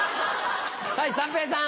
はい三平さん。